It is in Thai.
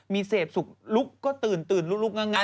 มีเสพสุกลุกก็ตื่นตื่นลุกลุกลุกง่ะง่ะ